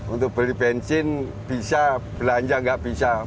untuk beli bensin bisa belanja nggak bisa